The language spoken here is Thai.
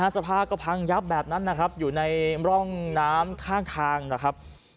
สภาพก็พังยับแบบนั้นนะครับอยู่ในร่องน้ำข้างทางนะครับ